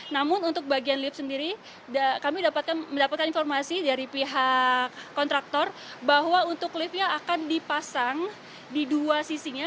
namun untuk bagian lift sendiri kami mendapatkan informasi dari pihak kontraktor bahwa untuk liftnya akan dipasang di dua sisinya